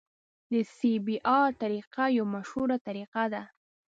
د سی بي ار طریقه یوه مشهوره طریقه ده